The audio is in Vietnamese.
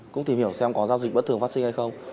cũng tìm hiểu xem có giao dịch bất thường phát sinh hay không